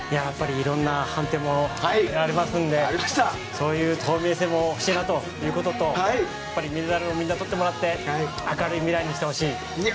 いろんな判定もありますのでそういう透明性も欲しいなということとメダルをみんなにとってもらって明るい未来にしてほしい。